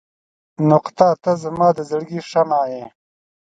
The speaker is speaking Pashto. • ته زما د زړګي شمعه یې.